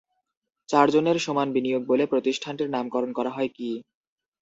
চারজনের সমান বিনিয়োগ বলে প্রতিষ্ঠানটির নামকরণ করা হয় কি?